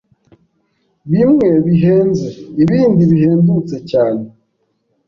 Bimwe bihenze, ibindi bihendutse cyane.